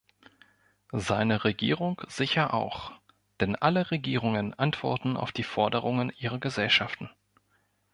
Seine Regierung sicher auch, denn alle Regierungen antworten auf die Forderungen ihrer Gesellschaften.